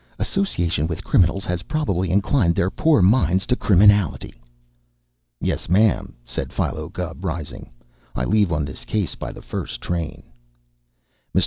"Association with criminals has probably inclined their poor minds to criminality." "Yes, ma'am," said Philo Gubb, rising. "I leave on this case by the first train." Mr.